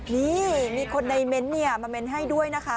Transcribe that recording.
มีคนในเม้นท์มาเม้นท์ให้ด้วยนะคะ